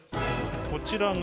こちらが。